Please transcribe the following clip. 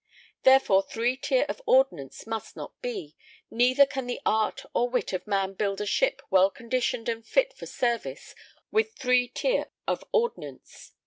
Therefore three tier of ordnance must not be, neither can the art or wit of man build a ship well conditioned and fit for service with three tier of ordnance.